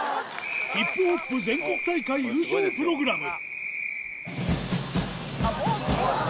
ヒップホップ全国大会優勝プログラム。